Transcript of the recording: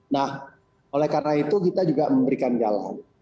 nah oleh karena itu kita juga memberikan jalan